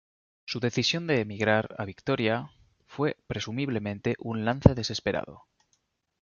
Su decisión de emigrar a Victoria fue presumiblemente un lance desesperado.